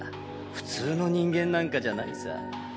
普通の人間なんかじゃないさ。